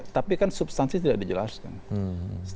tapi kan substansi tidak dijelaskan